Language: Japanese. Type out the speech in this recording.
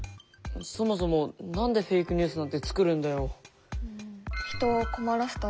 そもそも何でフェイクニュースなんてつくるんだよ。